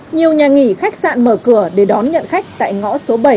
nhiều nhà nghỉ khách sạn mở cửa để đón nhận khách tại ngõ số bảy